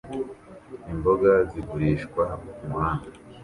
Imboga zigurishwa kumuhanda